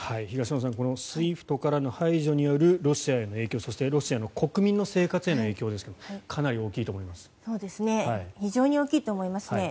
東野さんこのＳＷＩＦＴからの排除によるロシアへの影響そしてロシアの国民への生活への影響ですが非常に大きいと思います。